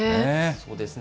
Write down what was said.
そうですね。